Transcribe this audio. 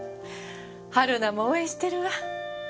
春菜も応援してるわ。